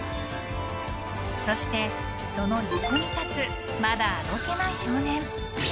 そして、その横に立つまだあどけない少年。